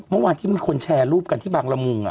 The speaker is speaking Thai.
เมื่อวานที่มีคนแชร์รูปกันที่บางละมุง